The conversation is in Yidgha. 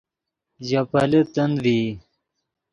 ژے پیلے تند ڤئی